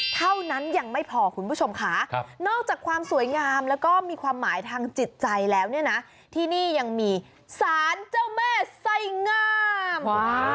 เท่านั้นยังไม่พอคุณผู้ชมค่ะนอกจากความสวยงามแล้วก็มีความหมายทางจิตใจแล้วเนี่ยนะที่นี่ยังมีสารเจ้าแม่ไส้งาม